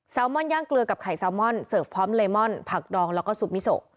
ลมอนย่างเกลือกับไข่แซลมอนเสิร์ฟพร้อมเลมอนผักดองแล้วก็ซูมิโซ